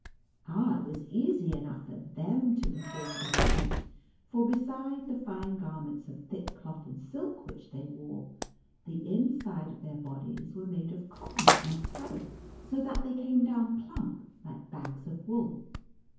Ah, it was easy enough for them to perform this feat, for beside the fine garments of thick cloth and silk which they wore, the in side of their bodies were made of cotton and tow, so that they came down plump, like bags of NUTCBACKEK AND MOUSE KING. 37 wool.